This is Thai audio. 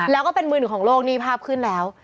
แล้วก็เป็นมือหนึ่งของโลกนี่ภาพขึ้นแล้ว